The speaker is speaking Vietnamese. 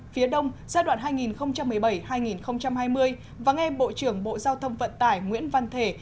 phía đông giai đoạn hai nghìn một mươi bảy hai nghìn hai mươi và nghe bộ trưởng bộ giao thông vận tải nguyễn văn thể